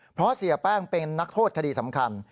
เพราะเสียแป้งเป็นนักโทษคดีสำคัญ